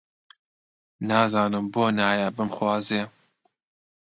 نازانم بۆ نایە بمخوازێ؟